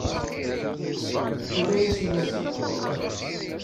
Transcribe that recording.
Tura-yas i Maziɣ.